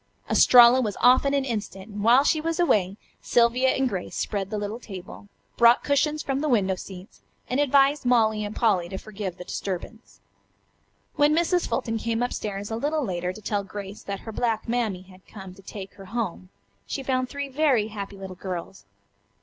Estralla was off in an instant, and while she was away Sylvia and Grace spread the little table, brought cushions from the window seats and advised Molly and Polly to forgive the disturbance. When Mrs. Fulton came up stairs a little later to tell Grace that her black Mammy had come to take her home she found three very happy little girls.